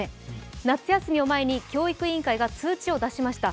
夏休みを前に教育委員会が通知を出しました。